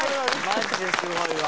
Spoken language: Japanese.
マジですごいわ。